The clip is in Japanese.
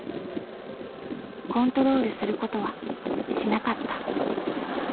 コントロールすることはしなかった。